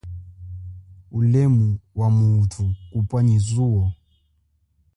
Ulemu wa muthu kupwa nyi zuwo.